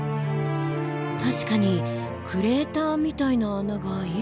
確かにクレーターみたいな穴がいくつも。